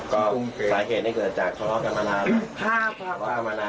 ก็สาเหตุให้เกิดจากเข้าข้อกัมมานาน